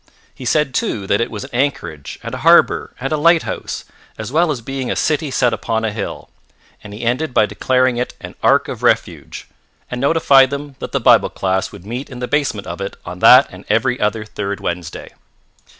He said, too, that it was an anchorage and a harbour and a lighthouse as well as being a city set upon a hill; and he ended by declaring it an Ark of Refuge and notified them that the Bible Class would meet in the basement of it on that and every other third Wednesday.